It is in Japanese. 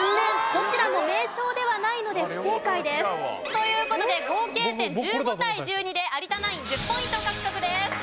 どちらも名称ではないので不正解です。という事で合計点１５対１２で有田ナイン１０ポイント獲得です。